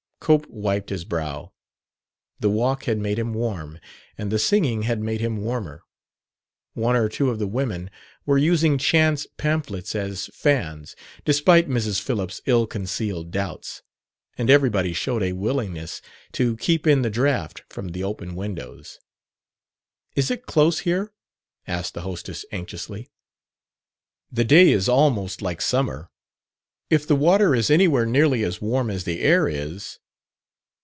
Cope wiped his brow. The walk had made him warm, and the singing had made him warmer. One or two of the women were using chance pamphlets as fans (despite Mrs. Phillips' ill concealed doubts), and everybody showed a willingness to keep in the draught from the open windows. "Is it close here?" asked the hostess anxiously. "The day is almost like summer. If the water is anywhere nearly as warm as the air is....